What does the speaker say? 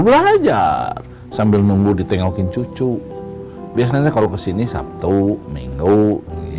belajar sambil mengundi tengokin cucu ya baca koran nonton tv belajar ngurus bonsai baru belajar sambil mengundi tengokin cucu